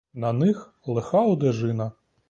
На них лиха одежина.